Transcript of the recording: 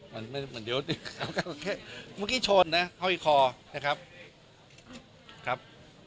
มันไม่เหมือนเดี๋ยวมันแค่เมื่อกี้โชนเนี้ยเข้าอีกคอนะครับครับ